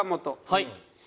はい。